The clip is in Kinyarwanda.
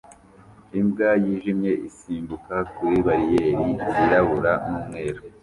Imbwa yijimye isimbuka kuri bariyeri yirabura n'umweru